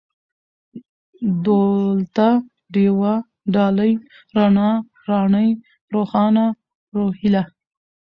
دولته ، ډېوه ، ډالۍ ، رڼا ، راڼۍ ، روښانه ، روهيله